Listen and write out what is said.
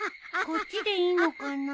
・こっちでいいのかな？